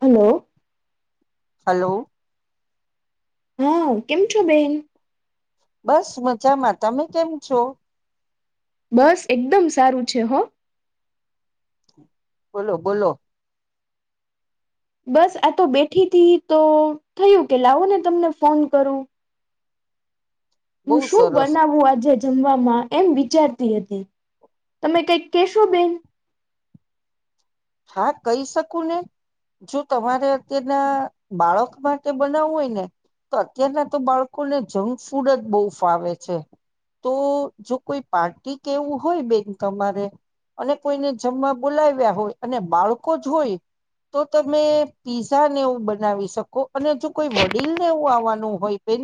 Hello hello હા કેમ છો બેન બસ મજામાં તમે કેમ છો બસ એકદમ સારું છે હો બોલો બોલો બસ આ તો બેઠી થી તો થયું કે લાવો ને તમને ફોન કરું બહુ હું શું સરસ બનાવું આજે જ જમવામાં એમ વિચારતી હતી તમે કઈક કેશો બેન હા કહી શકું ને જો તમારે અત્યારના બાળક માટે બનાવવું હોય ને તો અત્યારના તો બાળકોને જંક ફૂડ જ બહુ ફાવે છે તો જો કોઈ પાર્ટી કેવું હોય બેન તમારે અને કોઈને જમવા બોલાવ્યા હોય અને બાળકો જ હોય તો તમે પીઝા ને એવું બનાવી શકો અને જો કોઈ વડીલને એવું આવવાનું હોય બેન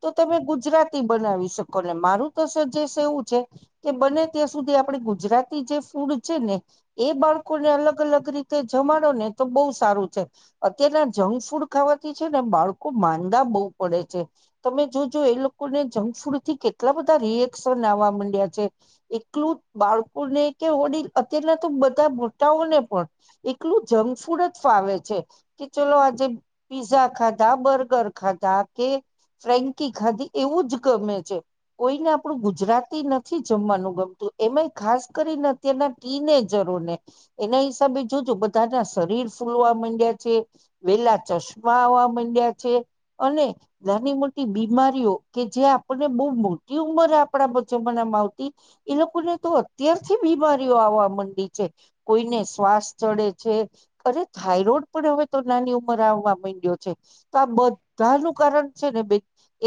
તો તમે ગુજરાતી બનાવી શકો ને મારું તો સજેશ એવું છે કે બને ત્યાં સુધી આપણી ગુજરાતી જે ફૂડ છે ને એ બ લોકોને અલગ અલગ રીતે જમાડો ને તો બહુ સારું છે અત્યારના જંક ફૂડ ખાવાથી છે ને બાળકો માંદા બહુ પડે છે તમે જોજો એ લોકોને જંક ફૂડ થી કેટલા બધા ર નાવા માંડ્યા છે એટલું બાળકોને કે ઓ અત્યારના તો બધા યુ ને પણ એટલું જંક ફૂડ જ ફાવે છે કે ચલો આજે પીઝા ખા ખાધા બર્ગર ખાધા કે ફ્રેન્કી ગાદી એવું જ ગમે છે કોઈને આપણું ગુજરાતી નથી જમવાનું ગમતું એમાંય ખાસ કરીને અત્યારના ટીનેજરોને એના હિસાબે જોજો બધા ના શરીર ફૂલવા માંડ્યા છે વેલા ચશ્મા આવવા માંડ્યા ગયા છે અને નાની મોટી બીમારીઓ કે જે આપણને બહુ મોટી ઉંમરે આપણા વચ્ચે બના આવતી એ લોકોને તો અત્યારથી બીમારીઓ આવવા માંડી છે કોઈને શ્વાસ ચડે છે અરે થાઈરોઈડ પણ હવે તો નાની ઉંમર આવવા માંડ્યો છે તો આ બધાનું કારણ છે ને બે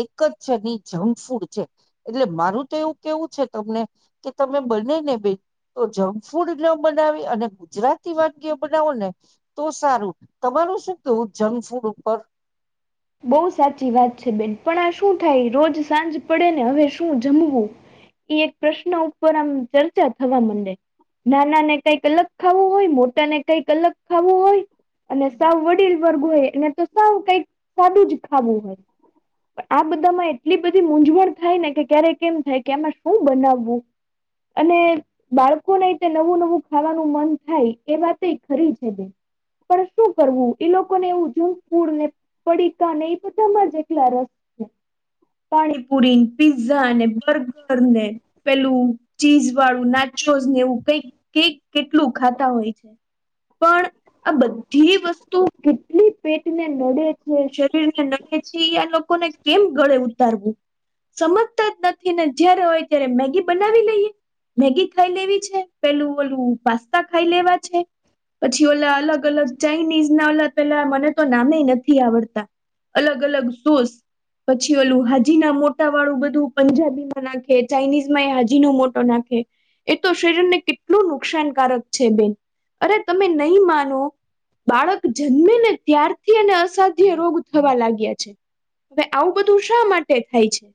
એક જ છે જંક ફૂડ છે એટલે મારું તો એવું કેવું છે તમને કે તમે બને ને બે તો જંક ફૂડ બને બનાવી અને ગુજરાતી વાનગ્ય બનાવો ને તો સારું તમારું શું કવું જંક ફૂડ ઉપર [inaudible] બહુ સાચી વાત છે બેન પણ આ શું થાય રોજ સાંજ પડે ને હવે શું જમવું એક પ્રશ્ન ઉપર આમ ચર્ચા થવા માંડે નાના ને કઈક અલગ ખાવું હોય મોટા ને કઈક અલગ ખાવો હોય અને સાવ વડીલ વર્ગ હોય અને તો સાવ કઈક સાદું જ ખાવું હોય આ બધામાં એટલી બધી મૂંઝવણ થાય ને કે ક્યારે કેમ થાય કે એમાં શું બનાવવું અને બાળકોને નવું નવું ખાવાનું મન થાય એ વાત ખરી છે બેન પણ શું કરવું એ લોકોને એવું જો પૂર ને પડીકા નહી તોધમાંજ એકટલા રસ છે પાણીપુરી પીઝા અને બર્ગર ને પેલું ચીઝ વાળું નાચ એવું કઈક કક કેટલું ખાતા હોય છે પણ આ બધી વસ્તુ કેટલી પેટને નડે જે શરીર ને નળ છે આ લોકોને કેમ ગળે ઉતારવું સમજતા જ નથી ને જય્યારે હોય ત્યારે મેગી બનાવી લઈએ મેગી ખાઈ લેવી છે પેલું ઓલું પાસ્તા ખાઈ લેવા છે પછી ઓલા અલગ અલગ ચાાઈનીઝ ના ઓલા પેલા મને તો નામે નથી આવડતા અલગ અલગ શૂઝ પછી ઓલું હાજીના મોટા વાળું બધું પંજાબીમાં નાખે ચાાઈનીઝ માં એ હાજીનોો મોટો નાખે એ તો શરીરને કેટલું નુકસાન કારક છે બેન અરે તમે નહી માનો બાળક જન્મે ને ત્યારથી અને અસાધ્ય રોગ થવા લાગ્યા છે હવે આવું બધું શા માટે થાય છે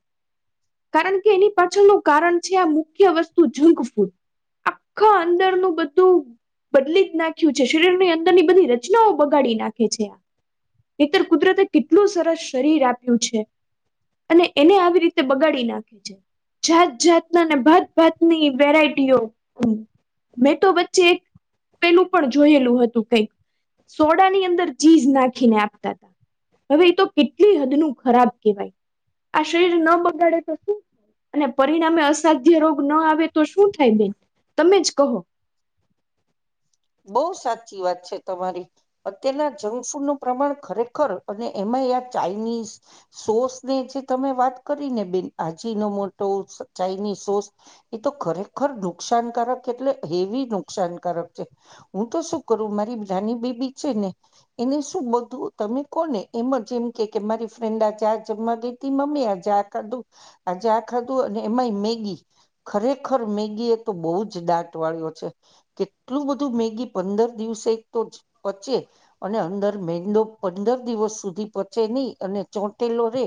કારણ કે એની પાછળનું કારણ છે આ મુખ્ય વસ્તુ જંક ફૂડ આખા અંદરનું બધું બદલી જ નાખ્યું છે શરીરની અંદરની બધી રચનાઓ બગાડી નાખે છે આ એ તર કુદરતે કેટલું સરસ શરીર આપ્યું છે. અને એને આવી રીતે બગાડી નાખે છે. જાત જાતના ને ભાત ભાતની વેરાયટીઓ મેં તો વચ્ચે પેલું પણ જોયેલું હતું કઈક સોડા ની અંદર ચીઝ નાખીને આપતા હતા. હવે એ તો કેટલી હદ નું ખરાબ કેહેવાય આ શરીર ન બગાડે તો શું અને પરિણામે અસાધ્ય રોગ ન આવે તો શું થાય બેન તમે જ કહો. [inaudible] બો સાચી વાત છે તમારી અત્યારના જંક ફૂડ નું પ્રમાણ ખરેખર અને એમાં હા યાર ચાઈનીઝ સોસ ને જે તમે વાત કરી ને બેન આજી નો મોટો વુ ચાઈનીઝ સોસ એ તો ખરેખર નુકસાનકારક એટલે હેવી નુકસાનકારક છે હું તો શું કરું મારી નાની બેબી છે ને એને શું બધું તમે કોને એમ જેમ કે કે મારી ફ્રેન્ડ આ ચા જમવા ગઇ હતી મમ્મી આજે આ ખાધું આજે આ ખાધું અને એમાંય મેગી ખરેખર મેગી એ તો બહુ જ દાંત વાળયો છે કે એટલું બધું મેગી પંદર દિવસે તો જ પચે અને અંદર મંદો પંદર દિવ સ સુધી પહોંચે ની અને ચોંટેલો રે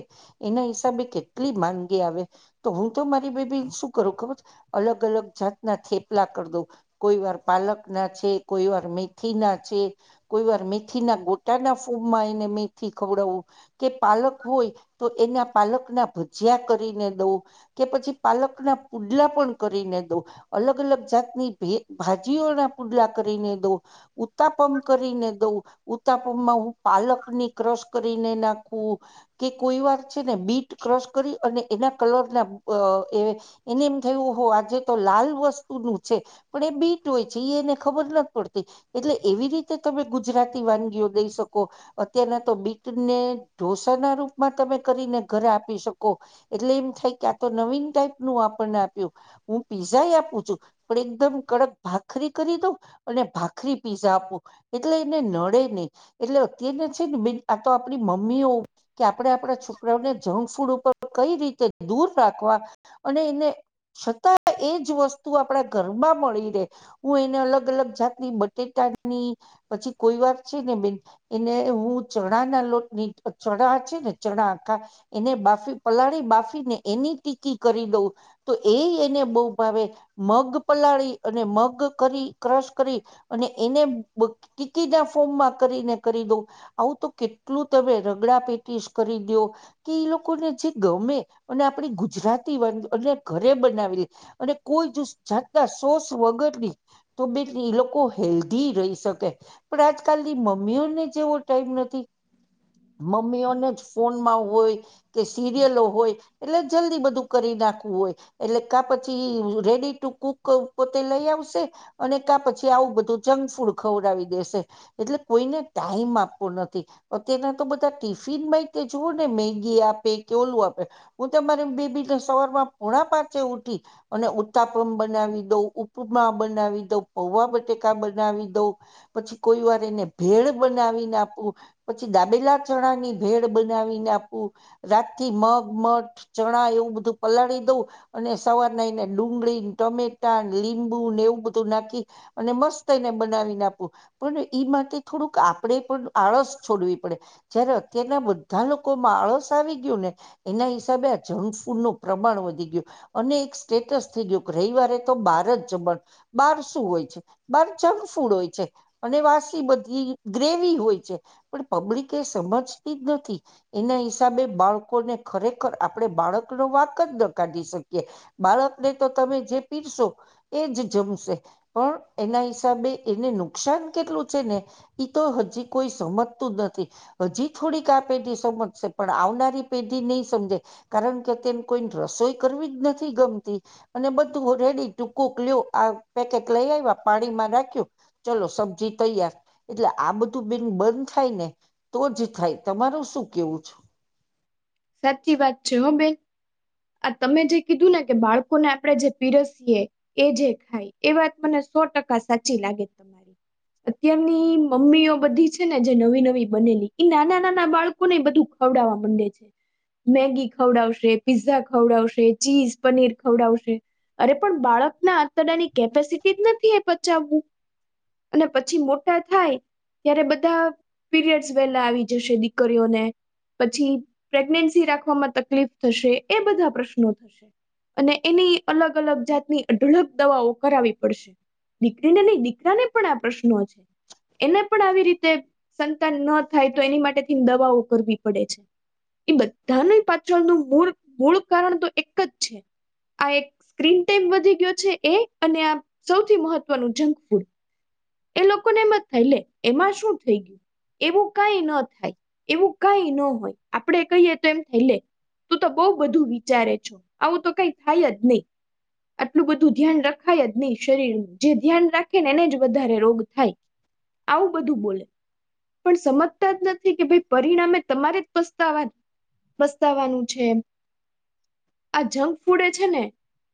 એના હિસાબે કેટલી માંનગી આવે તો હું તો મારી બેબી શું કરું ખબર અલગ અલગ જાત ના થેપલા કરી દો કોઈ વાર પાલક ના છે કોઈ વાર મેથી ના છે કોઈ વાર મેથી ના ગોટા ના ફૂમમાં એને મેથી ખવડાવું કે પાલક હોય તો એના પાલક ના ભજીયા કરીને દઉં કે પછી પાલકના પુડલા પણ કરીને દઉં અલગ અલગ જાતની ભે ભાજીઓના પુડલા કરીને દઉ ઉતાપમ કરીને દઉ ઉતાપમમાં હું પા પાલકની ક્રસ કરીને નાખવું કે કોઈ વાર છે ને બીટ ક્રસ કરી અને એના કલર ના પા એ એની એમ થયું હો આજે તો લાલ વસ્તુ નું છે પણ એ બી હોય છે ઈ એને ખબર નથી પડતી એટલે એવી રીતે તમે ગુજરાતી વાનગીઓ દઈ શકો અત્યારના તો બીટને ઢોસાના રૂપમાં તમે કરીને ઘરે આપી શકો એટલે એમ થઈ ક તો નવીન ટાઈપ નું આપણને આપ્યું હું પીઝા આપું છું પણ એકદમ કડક ભાખરી કરી દઉ અને ભાખરી પીઝા આપો એટલે એને નડે નહી એટલે અત્યર તો છે ને આ તો આપણી મમ્મીઓ કે આપણે આપણા છોકરાઓને જંક ફૂડ ઉપર કઈ રીતે દૂર રાખવા અને એને છતાં એજ વસ્તુ આપણા ઘરમાં મળી રે હું એને અલગ અલગ જાતની બધી ટાઈપની પછી કોઈ વાર છે ને બેન એને હું ચણા ના લોટ ની ચણા છે ને ચણા આખા એને બાફી પલાળી બાફી ને એની ટીકી કરી દઉં તો એ એને બહુ ભાવે મગ પલાળી ને મગ કરી ક્રસ કરી અને એને ટીકી ના ફોર્મમાં કરીને કરી દ તું આવું તો કેટલું તમે રગડા પેટી કરી દો કે એ લોકોને જે ગમે અને આપણી ગુજરાતી વાન એટલે ઘરે બનાવી અને કોઈ [unintelligible] જાતના સોસ વગર બી તો બે એ લોકો હેલ્ધી રહી શકે પણ આજકાલની મમ્મીઓને જેવો ટાઈમ નથી મમ્મી ઓને જ ફોનમાં હોય કે સિરિયલો હોય એટલે જલ્દી બધું કરી નાખવું હોય એટલે કા પછી રેડી ટુ કૂક પોતે લઈ આવશે અને કા પછી આવું બધું જંક ફૂડ ખવડાવી દેશે એટલે કોઈને ટાઈમ આપવો નથી તેના તો બધા ટિફિન માંય તે જુઓ ને મેગી આપે કેલું આપ [unintelligible] હું મારે બેબી સવાર માં પોણા પાંચે ઉઠી અને ઉતાપન બનાવી દઉં ઉપમા બનાવી દઉ પૌવા બટેકા બનાવી દઉ પછી કોઈ વાર એને ભેળ બ બનાવીને આપું પછી દાબેલા ચણાની ભેળ બનાવીને આપું રાતથી મગ મગ ચણા એવું બધું પલાળી દઉં અને સવાર [unintelligible] ડુંગળી ટમેટા લીંબુ ને એવું બધું નાખી અને મસ્ત એને બનાવી ને આપું પણ ઈ માટે થોડુંક આ આપણે પણ આળસ છોડવી પડે જયારે અત્યારના બધા લોકો માં આળસ આવી ગયું ને એના હિસાબે આ જંક ફૂડ નું પ્રમાણ વધી ગયું અને એક સ્ટેટસ થઈ ગયું કે રવિવારે તો બાર જ જમણ બહાર શું હોય છે? બાર જંગફૂડ હોય છે. અને વાસી બધી ગ્રેવી હોય છે. પણ પબ્લિક એ સમજતી જ નથી. એના હિસાબે બાળકોને ખરેખર આપણે બાળકનો વાંક જ ન કાઢી શકીએ. બાળકને તો તમે જે પીરશો એ જ જમશે. પણ એના હિસાબે એને નુકસાન કેટલું છે ને ઈ તો હજી કોઈ સમજતું જ નથી. હજી થોડીક આ પેઢી સમજશે પણ આવનારી પેઢી નહીં સમજે. કારણ કે અત્યારમાં કોઈને રસોઈ કરવી જ નથી ગમતી અને બધ બધું રેડી ટૂકુંક લ્યો આ પેકેટ લઈ આવ્યા, પાણીમાં રાખ્યું ચલો સબ્જી તૈયાર એટલે આ બધું બેન બંધ થાય ને તો જ થાય. તમારું શું કેવું છે? સાચી વાત છે હો બેન આ તમે જે કીધું ને કે બાળકોને આપણે જે પીરસીએ એજ એ ખાય એ વાત મને સો ટકા સાચી લાગે તમારી. અત્યારની મમ્મીઓ બધી છે ને જે નવી નવી બનેલી ઈ નાના નાના બાળકોને બધું ખવડાવા માંડે છે. મેગી ખવડાવશે, પીઝા ખવડાવશે, ચીઝ, પનીર ખવડાવશે. અરે! પણ બાળકના આંતરડાની કેપેસિટી જ નથી એ પચાવવું. અને પછી મોટા થાય ત્યારે બધા પીરિયડ્સ વહેલા આવી જશે દીકરીઓને પછી પ્રેગનેન્સી રાખવામાં તકલીફ થશે, એ બધા પ્રશ્નો થશે. અને એની અલગ અલગ જાતની અઢળક દવાઓ કરાવી પડશે. દીકરીને નહીં દીકરાને પણ આ પ્રશ્નો છે. એને પણ આવી રીતે સંતાન ન થાય તો એની માટે થીને દવાઓ કરવી પડે છે. ઈ બધાનું પાછળનું મૂળ મૂળ કારણ તો એક જ છે. આ એક સ્ક્રીન ટાઈમ વધી ગયો છે એ, અને આ સૌથી મહત્વનું જંકફૂડ. એ લોકોને એમજ થાય લે એમાં શું થઈ ગયું. એવું કાઈ ન થાય, એવું કાઈ ન હોય, આપડે કહીએ તો એમ થાય લે. તું તો બહુ બધું વિચારે છો. આવું તો કઈ થાય જ નહીં. આટલું બધું ધ્યાન રખાય જ નહીં શરીરનું જે ધ્યાન રાખે ને એને જ વધારે રોગ થાય. આવું બધું બોલે. પણ સમજતા જ નથી કે ભઈ પરિણામે તમારે જ પસ્તાવા પસ્તાવાનું છે એમ. આ જંકફૂડે છે ને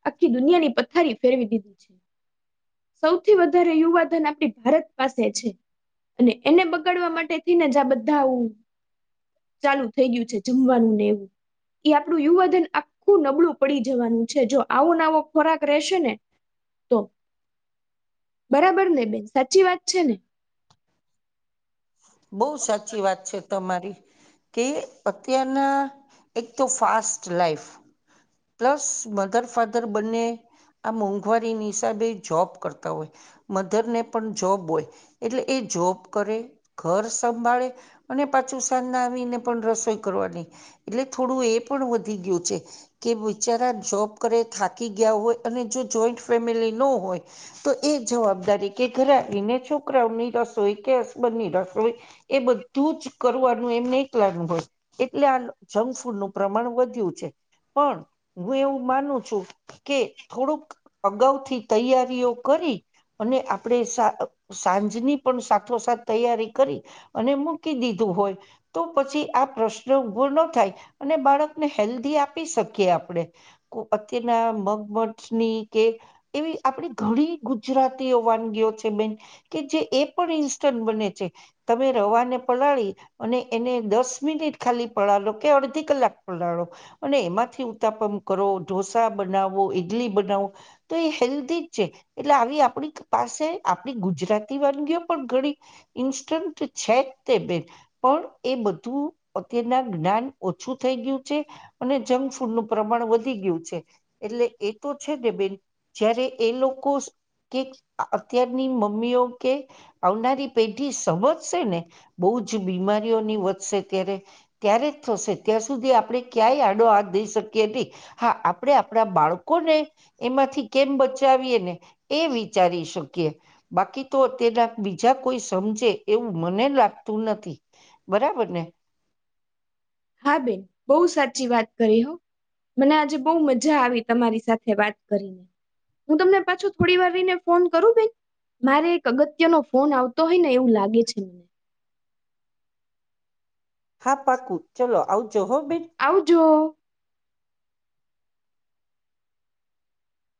આખી દુનિયાની પથારી ફેરવી દીધી છે. સૌથી વધારે યુવાધન આપ આપણી ભારત પાસે છે. અને એને બગાડવા માટે થીને જ આ બધાં ઉ ચાલુ થઈ ગયું છે, જમવાનું ને એવું ઈ આપણું યુવાધન આખું નબળું પડી જવાનું છે. જો આવો ને આવો ખોરાક રહેશે ને તો બરાબરને બેન? સાચી વાત છે ને? બહુ સાચી વાત છે તમારી. કે અત્યારના એક તો fast life plus mother father બંને આ મોંઘવારીની હિસાબે જોબ કરતા હોય. મધરને પન જોબ હોય એટલે એ જોબ કરે, ઘર સંભાળે અને પાછું સાંજના આવીને પણ રસોઈ કરવાની. એટલે થોડું એ પણ વધી ગયું છે. કે બિચારા જોબ કરે, થાકી ગયા હોય, અને જો જોઈન્ટ ફેમિલી ન હોય તો એ જવાબદારી કે ઘરે આવીને છોકરાઓની રસોઈ, કે હસબનની રસોઈ એ બધું જ જ કરવાનું એમ એકલાનું હોય, એટલે આ જંકફૂડ નું પ્રમાણ વધ્યું છે. પણ હું એવું માનું છું કે થોડુંક અગાઉથી તૈયારીઓ કરી અને આપણેે સા સાંજની પણ સાથોસાથ તૈયારી કરી અને મૂકી દીધું હોય તો પછી આ પ્રશ્ન ઉભો ન થાય અને બાળકને હેલ્ધી આપ આપી શકીએ આપણે. કો અત્યારના મગમઠની કે એવી આપણે ઘણી ગુજરાતીઓ વાનગીઓ છે બેન કે જે એ પણ ઇન્સ્ટન્ટ બને છે તમે રવાને પલાળી અને એને દસ મિનિટ ખાલી પળળો કે અડધી કલાક પલાળો અને એમાંથી ઉત્તાપન કરો, ઢોસા બનાવો, ઈડલી બનાવો, તો એ હેલ્ધી જ છે. એટલે આવી આપણી પાસે આપડી ગુજરાતી વાનગીઓ પણ ઘણી ઇન્સ્ટન છે ત તે બેન પણ એ બધું અત્યારના જ્ઞાન ઓછું થઈ ગયું છે. અને જંક ફૂડનું પ્રમાણ વધી ગયું છે, એટલે એ તો છે ને બેન જયારે એ લોકો કે અત્યારની મમ્મીઓ કે આવનારી પેઢી સમજશે ને બહુ જ બીમારીઓની વધશે ત્યારે ત્યારે જ થશે ત્યાં સુધી આપણે ક્યાય આડો હાથ ધઈ શકીએ નઇ હા આપણેે આપણા બાળકોને એમાંથી કેમ બચાવ એ વિચારી શકીએ બાકી તો તેના બીજા કોઈ સમજે એવું મને લાગતું નથી બરાબર ને હા બેન બહુ સાચી વાત કરી હો. મને આજે બહુ મજા આવી તમારી સાથે વાત કરીને હું તમને પાછું થોડી વારને ફોન કરું બેન મારે એક અગત્યનો ફોન આવતો હોય ને એવું લાગે છે. હા પાકુ ચલો આવજ આવ જો